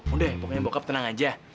udah pokoknya bokap tenang aja